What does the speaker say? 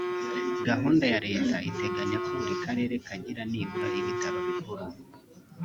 Gahunda ya Leta iteganya ko buri Karere kagira nibura ibitaro bikuru